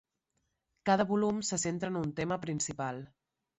Cada volum se centra en un tema principal.